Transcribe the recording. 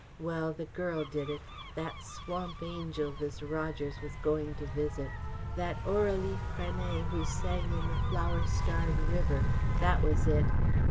Well, the girl did it that swamp angel this Rogers was going to visit. That Aurelie Frenet who sang in the flower starred river that was it!